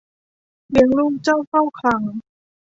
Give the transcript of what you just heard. เลี้ยงลูกเจ้าเฝ้าคลัง